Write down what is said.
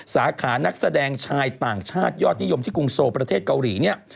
สาขานักแสดงชายต่างชาติยอดนิยมที่กรุงโซประเทศเกาหลีเนี่ย